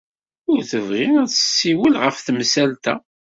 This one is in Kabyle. Ur tebɣi ad tessiwel ɣef temsalt-a.